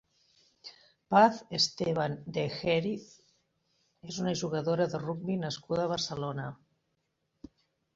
Paz Estevan de Heriz és una jugadora de rugbi nascuda a Barcelona.